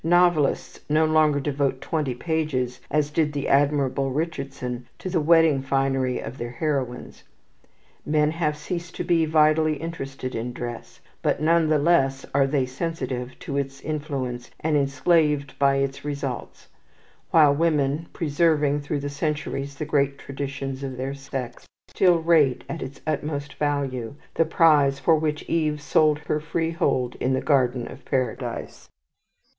Novelists no longer devote twenty pages, as did the admirable Richardson, to the wedding finery of their heroines. Men have ceased to be vitally interested in dress, but none the less are they sensitive to its influence and enslaved by its results; while women, preserving through the centuries the great traditions of their sex, still rate at its utmost value the prize for which Eve sold her freehold in the Garden of Paradise.